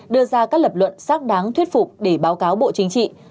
đưa ra các lập luận xác đáng thuyết phục để báo cáo bộ chính trị